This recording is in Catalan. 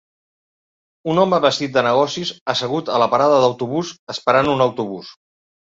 Un home vestit de negocis assegut a la parada d'autobús esperant un autobús.